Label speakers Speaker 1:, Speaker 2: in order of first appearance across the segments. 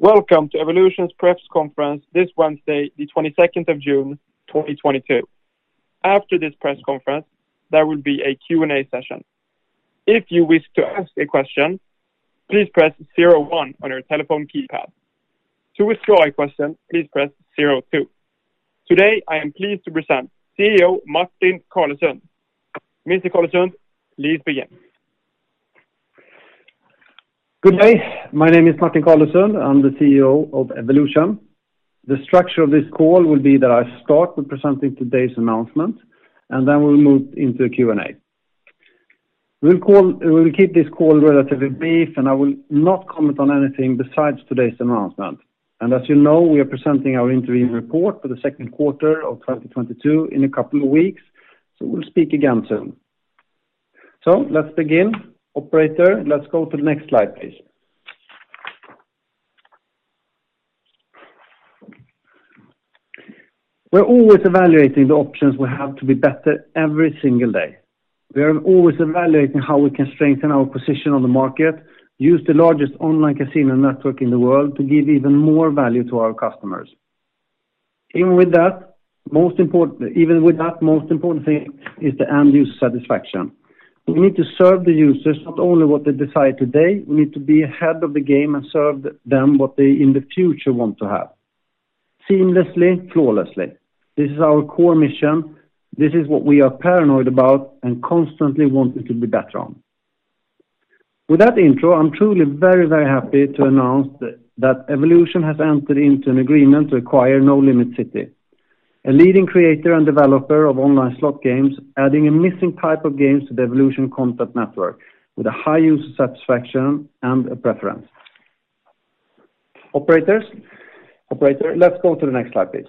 Speaker 1: Welcome to Evolution's press conference this Wednesday, the 22nd of June, 2022. After this press conference, there will be a Q&A session. If you wish to ask a question, please press zero one on your telephone keypad. To withdraw a question, please press zero two. Today, I am pleased to present CEO Martin Carlesund. Mr. Carlesund, please begin.
Speaker 2: Good day. My name is Martin Carlesund. I'm the CEO of Evolution. The structure of this call will be that I start with presenting today's announcement, and then we'll move into a Q&A. We'll keep this call relatively brief, and I will not comment on anything besides today's announcement. As you know, we are presenting our interim report for the second quarter of 2022 in a couple of weeks. We'll speak again soon. Let's begin. Operator, let's go to the next slide, please. We're always evaluating the options we have to be better every single day. We are always evaluating how we can strengthen our position on the market, use the largest online casino network in the world to give even more value to our customers. Even with that, most important thing is the end user satisfaction. We need to serve the users not only what they decide today, we need to be ahead of the game and serve them what they in the future want to have seamlessly, flawlessly. This is our core mission. This is what we are paranoid about and constantly want it to be better on. With that intro, I'm truly very, very happy to announce that Evolution has entered into an agreement to acquire Nolimit City. A leading creator and developer of online slot games, adding a missing type of games to the Evolution content network with a high user satisfaction and a preference. Operator, let's go to the next slide, please.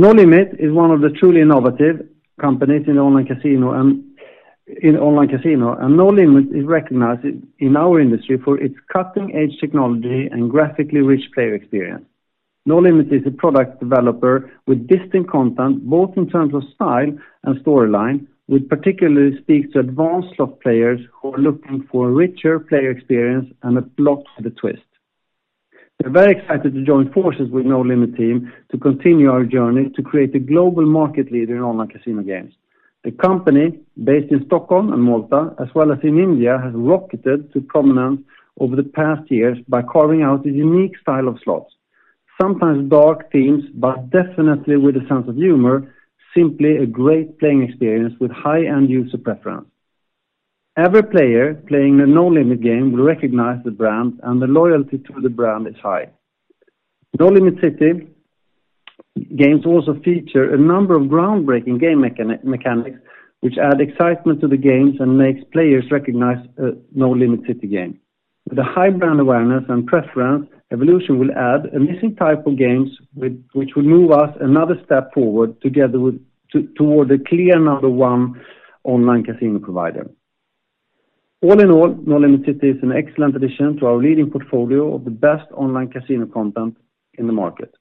Speaker 2: Nolimit City is one of the truly innovative companies in online casino. Nolimit City is recognized in our industry for its cutting-edge technology and graphically rich player experience. Nolimit City is a product developer with distinct content, both in terms of style and storyline, which particularly speaks to advanced slot players who are looking for a richer player experience and a plot with a twist. They're very excited to join forces with Nolimit City team to continue our journey to create a global market leader in online casino games. The company, based in Stockholm and Malta, as well as in India, has rocketed to prominence over the past years by carving out a unique style of slots. Sometimes dark themes, but definitely with a sense of humor, simply a great playing experience with high-end user preference. Every player playing a Nolimit City game will recognize the brand, and the loyalty to the brand is high. Nolimit City games also feature a number of groundbreaking game mechanics which add excitement to the games and makes players recognize a Nolimit City game. With a high brand awareness and preference, Evolution will add a missing type of games which will move us another step forward towards a clear number one online casino provider. All in all, Nolimit City is an excellent addition to our leading portfolio of the best online casino content in the market.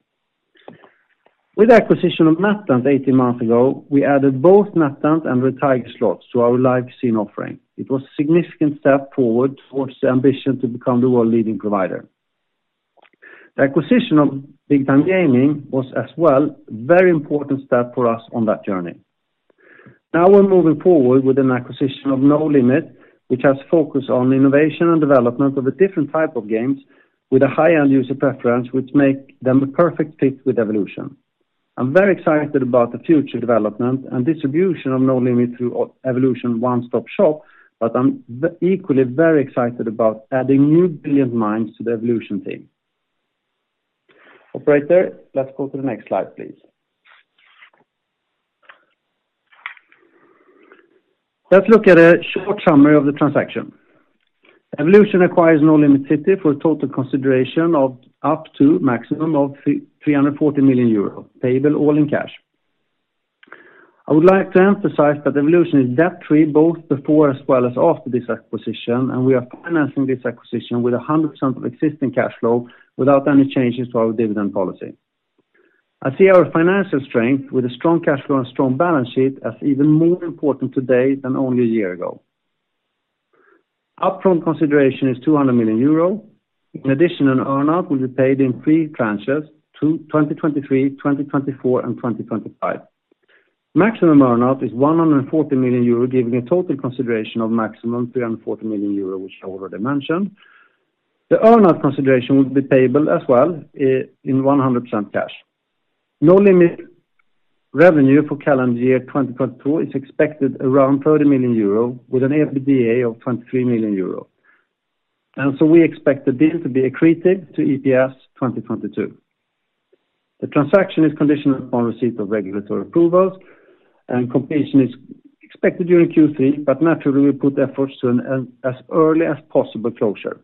Speaker 2: With the acquisition of NetEnt 18 months ago, we added both NetEnt and Red Tiger slots to our live casino offering. It was a significant step forward towards the ambition to become the world-leading provider. The acquisition of Big Time Gaming was as well very important step for us on that journey. Now we're moving forward with an acquisition of Nolimit City, which has focus on innovation and development of a different type of games with a high-end user preference, which make them a perfect fit with Evolution. I'm very excited about the future development and distribution of Nolimit City through Evolution One Stop Shop, but I'm equally very excited about adding new brilliant minds to the Evolution team. Operator, let's go to the next slide, please. Let's look at a short summary of the transaction. Evolution acquires Nolimit City for a total consideration of up to maximum of 340 million euros, payable all in cash. I would like to emphasize that Evolution is debt-free both before as well as after this acquisition, and we are financing this acquisition with 100% of existing cash flow without any changes to our dividend policy. I see our financial strength with a strong cash flow and strong balance sheet as even more important today than only a year ago. Upfront consideration is 200 million euro. In addition, an earn out will be paid in three tranches, 2023, 2024, and 2025. Maximum earn out is 140 million euro, giving a total consideration of maximum 340 million euro, which I already mentioned. The earn out consideration will be payable as well, in 100% cash. Nolimit City revenue for calendar year 2022 is expected around 30 million euro, with an EBITDA of 23 million euro. We expect the deal to be accretive to EPS 2022. The transaction is conditional upon receipt of regulatory approvals, and completion is expected during Q3, but naturally, we put efforts towards as early as possible closure.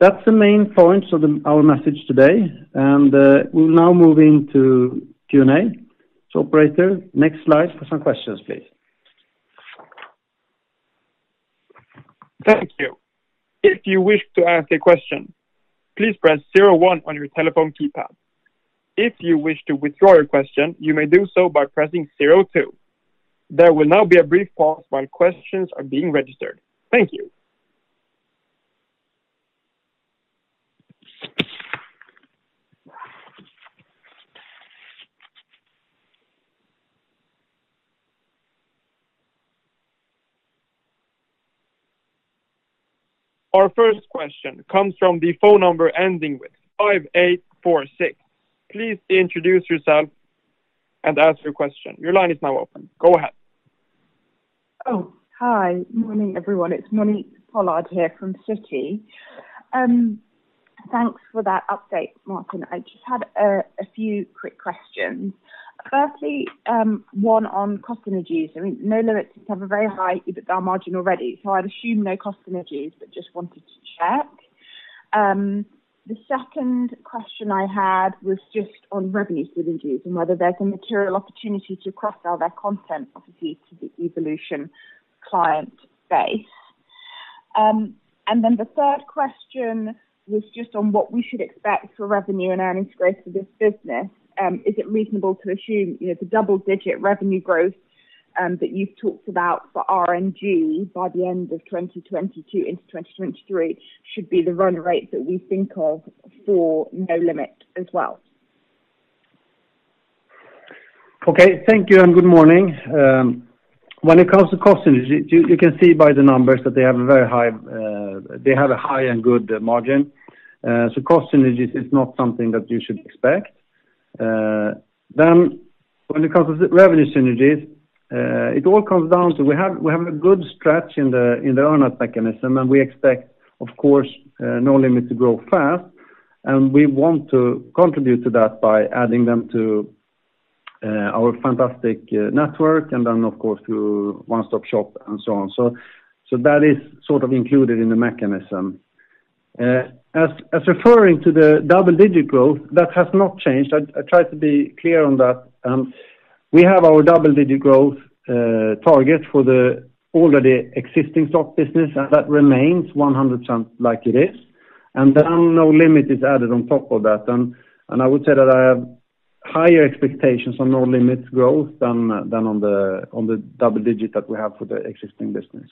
Speaker 2: That's the main points of our message today, and we'll now move into Q&A. Operator, next slide for some questions, please.
Speaker 1: Thank you. If you wish to ask a question, please press zero one on your telephone keypad. If you wish to withdraw your question, you may do so by pressing zero two. There will now be a brief pause while questions are being registered. Thank you. Our first question comes from the phone number ending with 5846. Please introduce yourself and ask your question. Your line is now open. Go ahead.
Speaker 3: Hi. Morning, everyone. It's Monique Pollard here from Citi. Thanks for that update, Martin. I just had a few quick questions. Firstly, one on cost synergies. I mean, Nolimit just have a very high EBITDA margin already, so I'd assume no cost synergies, but just wanted to check. The second question I had was just on revenues with synergies and whether there's a material opportunity to cross-sell their content, obviously, to the Evolution client base. The third question was just on what we should expect for revenue and earnings growth for this business. Is it reasonable to assume, you know, the double-digit revenue growth that you've talked about for RNG by the end of 2022 into 2023 should be the run rate that we think of for Nolimit as well?
Speaker 2: Okay. Thank you, and good morning. When it comes to cost synergies, you can see by the numbers that they have a high and good margin. Cost synergies is not something that you should expect. When it comes to cross-revenue synergies, it all comes down to we have a good structure in the earn-out mechanism, and we expect, of course, Nolimit City to grow fast. We want to contribute to that by adding them to our fantastic network and then, of course, to One Stop Shop and so on. That is sort of included in the mechanism. As referring to the double-digit growth, that has not changed. I try to be clear on that. We have our double-digit growth target for the already existing stock business, and that remains 100% like it is. Nolimit is added on top of that. I would say that I have higher expectations on Nolimit's growth than on the double-digit that we have for the existing business.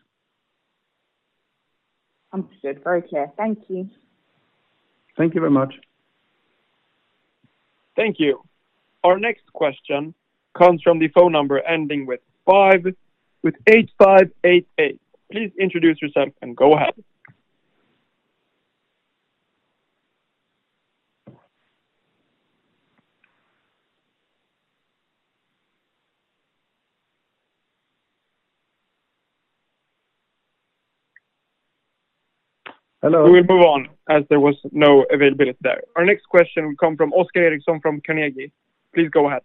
Speaker 3: Understood. Very clear. Thank you.
Speaker 2: Thank you very much.
Speaker 1: Thank you. Our next question comes from the phone number ending with 58588. Please introduce yourself, and go ahead. Hello- We will move on as there was no availability there. Our next question will come from Oscar Rönnkvist from Carnegie. Please go ahead.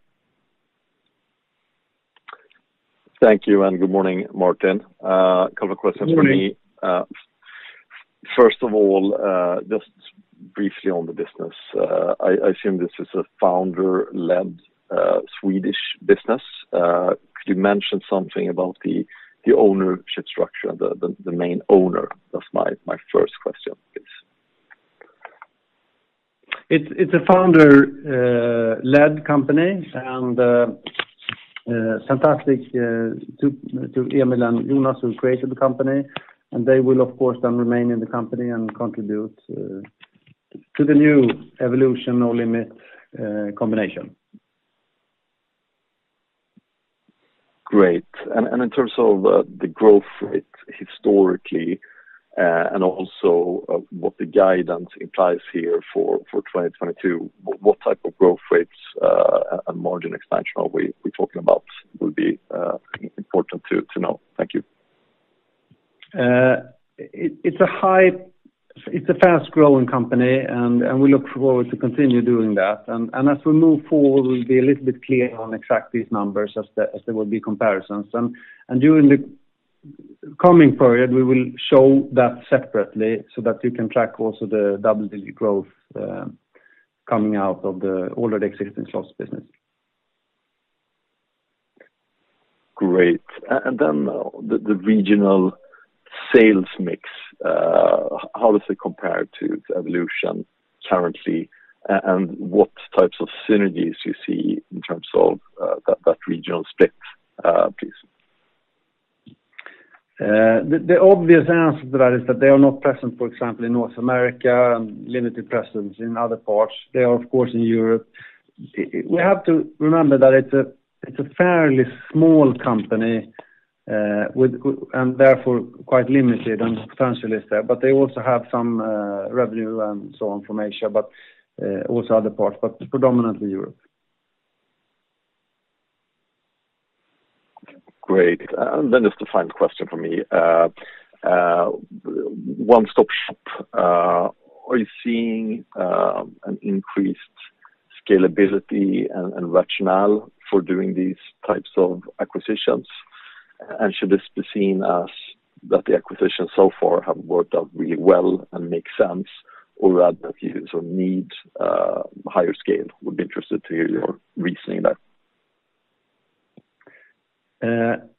Speaker 4: Thank you, and good morning, Martin. Couple of questions from me.
Speaker 2: Good morning.
Speaker 4: First of all, just briefly on the business. I assume this is a founder-led Swedish business. Could you mention something about the main owner? That's my first question, please.
Speaker 2: It's a founder-led company and fantastic to Emil and Jonas who created the company, and they will of course then remain in the company and contribute to the new Evolution-Nolimit City combination.
Speaker 4: Great. In terms of the growth rate historically, and also what the guidance implies here for 2022, what type of growth rates and margin expansion are we talking about would be important to know? Thank you.
Speaker 2: It's a fast-growing company, and we look forward to continue doing that. As we move forward, we'll be a little bit clear on exact these numbers as there will be comparisons. During the coming period, we will show that separately so that you can track also the double-digit growth coming out of the already existing slots business.
Speaker 4: Great. The regional sales mix, how does it compare to Evolution currently? What types of synergies you see in terms of that regional split, please?
Speaker 2: The obvious answer to that is that they are not present, for example, in North America and limited presence in other parts. They are, of course, in Europe. We have to remember that it's a fairly small company and therefore quite limited and potential is there, but they also have some revenue and so on from Asia, but also other parts, but predominantly Europe.
Speaker 4: Great. Just a final question from me. One Stop Shop, are you seeing an increased scalability and rationale for doing these types of acquisitions? Should this be seen as that the acquisitions so far have worked out really well and make sense or rather if you sort of need higher scale? Would be interested to hear your reasoning there.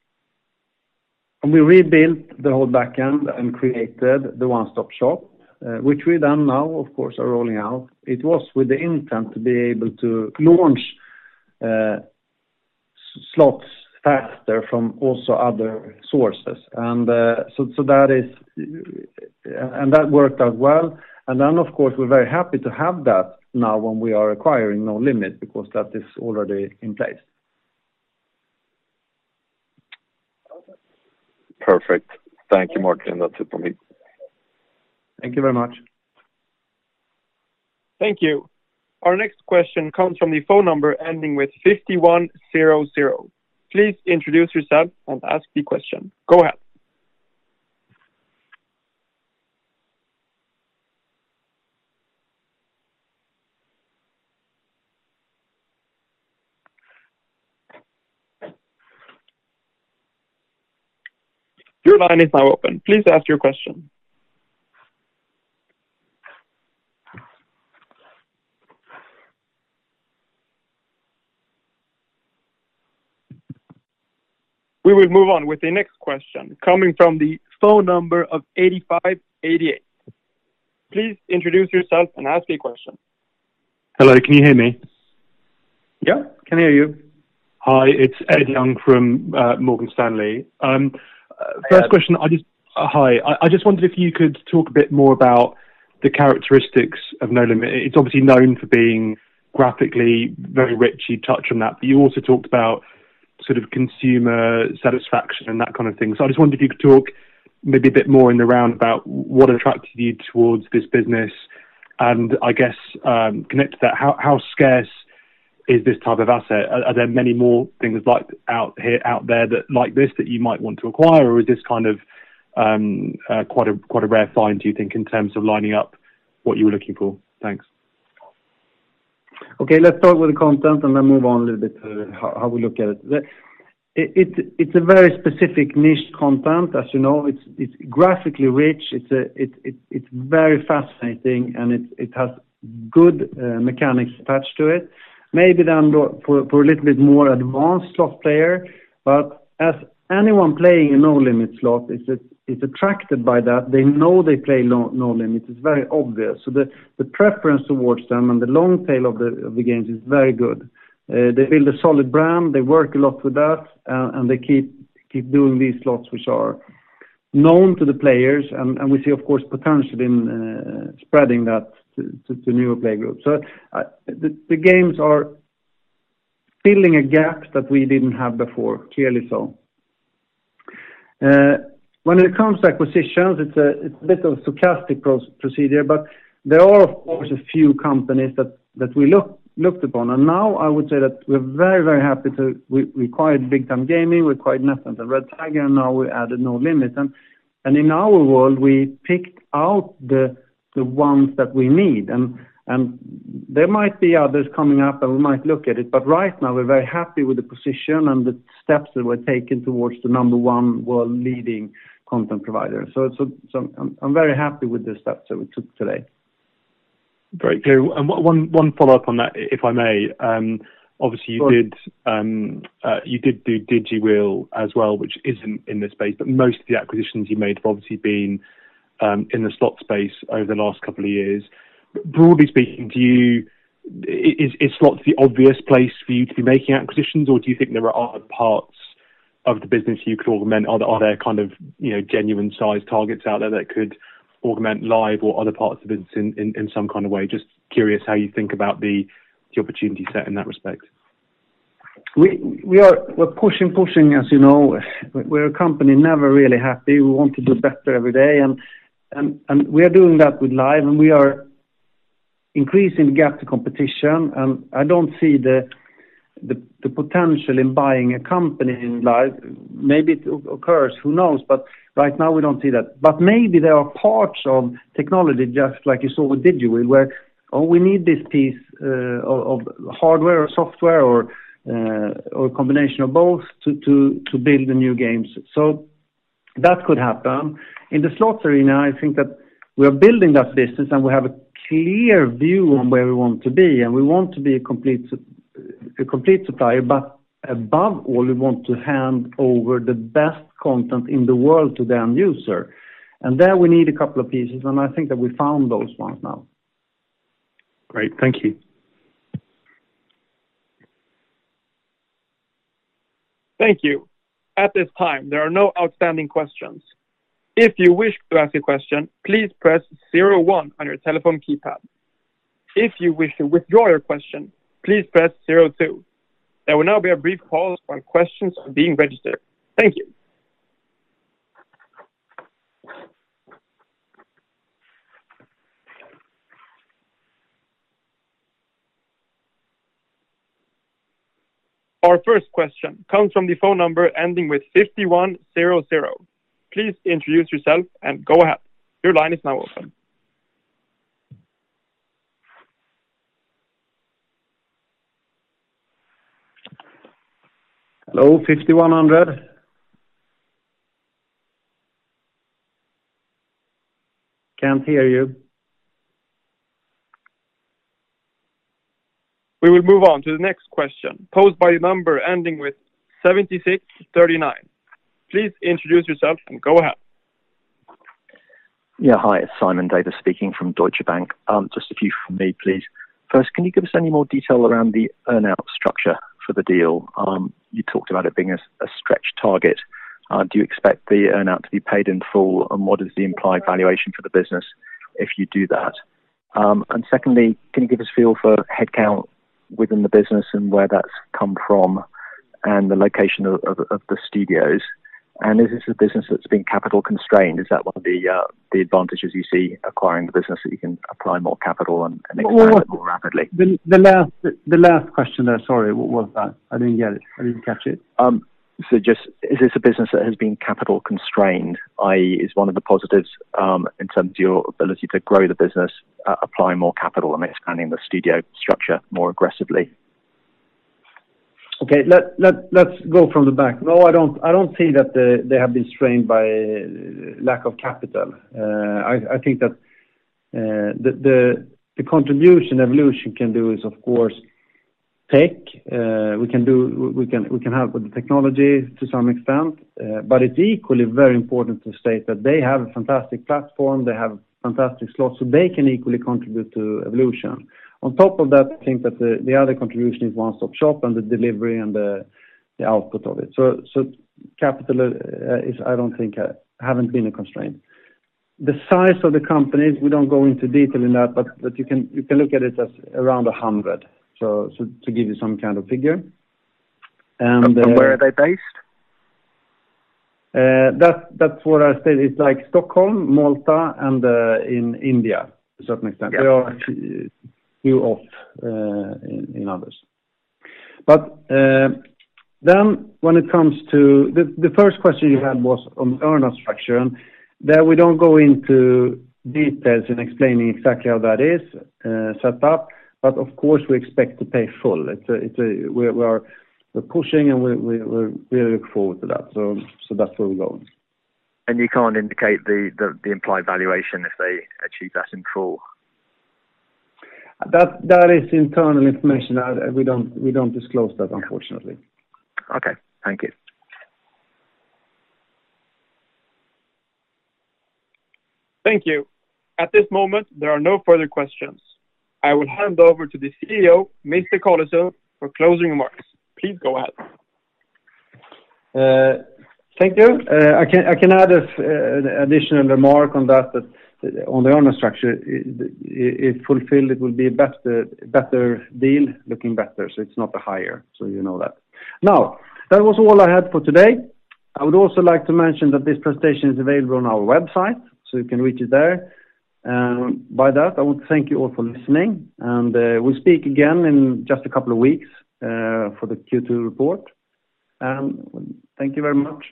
Speaker 2: We rebuilt the whole back end and created the One Stop Shop, which we then now, of course, are rolling out. It was with the intent to be able to launch slots faster from also other sources. So that is, and that worked out well. Of course, we're very happy to have that now when we are acquiring Nolimit City because that is already in place.
Speaker 4: Perfect. Thank you, Martin. That's it from me.
Speaker 2: Thank you very much.
Speaker 1: Thank you. Our next question comes from the phone number ending with 5100. Please introduce yourself and ask the question. Go ahead. Your line is now open. Please ask your question. We will move on with the next question coming from the phone number of 8588. Please introduce yourself and ask the question.
Speaker 5: Hello. Can you hear me?
Speaker 1: Yeah, can hear you.
Speaker 5: Hi, it's Ed Young from Morgan Stanley. First question, I just wondered if you could talk a bit more about the characteristics of Nolimit. It's obviously known for being graphically very rich. You touched on that, but you also talked about sort of consumer satisfaction and that kind of thing. I just wondered if you could talk maybe a bit more in the round about what attracted you towards this business, and I guess, connect to that, how scarce is this type of asset? Are there many more things like out there that like this that you might want to acquire? Or is this kind of quite a rare find, do you think, in terms of lining up what you were looking for? Thanks.
Speaker 2: Okay, let's start with the content and then move on a little bit to how we look at it. It is a very specific niche content, as you know. It's graphically rich. It's very fascinating, and it has good mechanics attached to it. Maybe then go for a little bit more advanced slot player. As anyone playing a NoLimit slot is attracted by that, they know they play NoLimit. It's very obvious. The preference towards them and the long tail of the games is very good. They build a solid brand, they work a lot with us, and they keep doing these slots which are known to the players. We see, of course, potential in spreading that to newer player groups. The games are filling a gap that we didn't have before, clearly so. When it comes to acquisitions, it's a bit of a stochastic process, but there are, of course, a few companies that we looked upon. Now I would say that we're very happy. We acquired Big Time Gaming, we acquired NetEnt and Red Tiger, and now we added Nolimit City. In our world, we picked out the ones that we need. There might be others coming up, and we might look at it, but right now we're very happy with the position and the steps that we're taking towards the number one world-leading content provider. I'm very happy with the steps that we took today.
Speaker 5: Great. One follow-up on that, if I may. Obviously-
Speaker 2: Sure.
Speaker 5: You did do DigiWheel as well, which isn't in this space, but most of the acquisitions you made have obviously been in the slot space over the last couple of years. Broadly speaking, is slots the obvious place for you to be making acquisitions, or do you think there are other parts of the business you could augment? Are there kind of, you know, genuine size targets out there that could augment live or other parts of the business in some kind of way? Just curious how you think about the opportunity set in that respect.
Speaker 2: We're pushing, as you know. We're a company never really happy. We want to do better every day, and we are doing that with live, and we are increasing the gap to competition, and I don't see the potential in buying a company in live. Maybe it occurs, who knows? Right now we don't see that. Maybe there are parts of technology, just like you saw with DigiWheel, where, oh, we need this piece of hardware or software or a combination of both to build the new games. That could happen. In the slots arena, I think that we are building that business, and we have a clear view on where we want to be, and we want to be a complete supplier, but above all, we want to hand over the best content in the world to the end user. There we need a couple of pieces, and I think that we found those ones now.
Speaker 5: Great. Thank you.
Speaker 1: Thank you. At this time, there are no outstanding questions. If you wish to ask a question, please press zero-one on your telephone keypad. If you wish to withdraw your question, please press zero-two. There will now be a brief pause on questions being registered. Thank you. Our first question comes from the phone number ending with 5100. Please introduce yourself and go ahead. Your line is now open.
Speaker 2: Hello, 5,100. Can't hear you.
Speaker 1: We will move on to the next question, posed by the number ending with 7639. Please introduce yourself and go ahead.
Speaker 6: Yeah. Hi, Simon Davies speaking from Deutsche Bank. Just a few from me, please. First, can you give us any more detail around the earn-out structure for the deal? You talked about it being a stretch target. Do you expect the earn-out to be paid in full? And what is the implied valuation for the business if you do that? And secondly, can you give us a feel for headcount within the business, and where that's come from, and the location of the studios? Is this a business that's been capital constrained? Is that one of the advantages you see acquiring the business, that you can apply more capital and expand it more rapidly?
Speaker 2: The last question there, sorry, what was that? I didn't get it. I didn't catch it.
Speaker 6: Just, is this a business that has been capital constrained, i.e., is one of the positives, in terms of your ability to grow the business, apply more capital and expanding the studio structure more aggressively?
Speaker 2: Let's go from the back. No, I don't see that they have been strained by lack of capital. I think that the contribution Evolution can do is of course tech. We can help with the technology to some extent, but it's equally very important to state that they have a fantastic platform. They have fantastic slots, so they can equally contribute to Evolution. On top of that, I think that the other contribution is One Stop Shop and the delivery and the output of it. So, capital hasn't been a constraint. The size of the company, we don't go into detail in that, but you can look at it as around 100, so to give you some kind of figure.
Speaker 6: Where are they based?
Speaker 2: That's what I said. It's like Stockholm, Malta, and in India to a certain extent.
Speaker 6: Yeah.
Speaker 2: They are a few off in others. The first question you had was on the earn-out structure. There we don't go into details in explaining exactly how that is set up, but of course we expect to pay in full. It's a. We're pushing and we're really looking forward to that. That's where we're going.
Speaker 6: You can't indicate the implied valuation if they achieve that in full?
Speaker 2: That is internal information. We don't disclose that, unfortunately.
Speaker 6: Okay. Thank you.
Speaker 1: Thank you. At this moment, there are no further questions. I will hand over to the CEO, Mr. Carlesund, for closing remarks. Please go ahead.
Speaker 2: Thank you. I can add an additional remark on that on the earn-out structure. If fulfilled, it will be a better deal, looking better, so it's not a higher, so you know that. Now, that was all I had for today. I would also like to mention that this presentation is available on our website, so you can reach it there. By that, I want to thank you all for listening, and we'll speak again in just a couple of weeks for the Q2 report. Thank you very much.